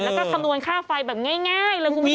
แล้วก็คำนวณค่าไฟแบบง่ายเลยคุณผู้ชม